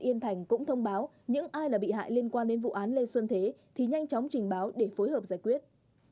yên thành cũng thông báo những ai là bị hại liên quan đến vụ án lê xuân thế thì nhanh chóng trình báo để phối hợp giải quyết